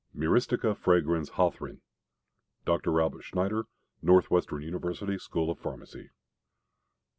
(Myristica fragrans Hauthryn.) DR. ALBERT SCHNEIDER. Northwestern University School of Pharmacy.